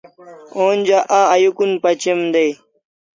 Onja a ayukun pachem dai